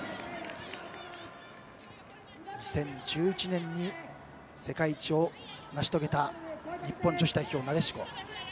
２０１１年に世界一を成し遂げた日本女子代表、なでしこ。